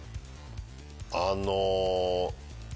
あの。